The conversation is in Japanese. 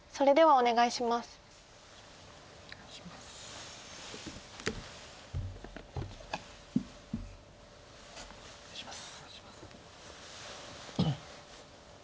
お願いします。